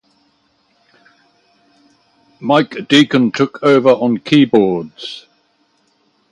Mike Deacon took over on keyboards.